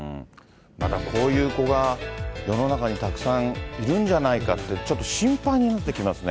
まだこういう子が世の中にたくさんいるんじゃないかって、ちょっと心配になってきますね。